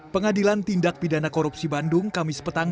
pengadilan tindak pidana korupsi bandung kamis petang